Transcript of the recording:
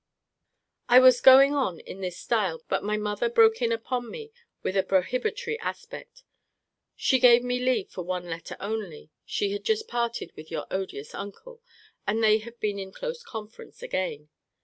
I was going on in this style but my mother broke in upon me with a prohibitory aspect. 'She gave me leave for one letter only.' She had just parted with your odious uncle, and they have been in close conference again.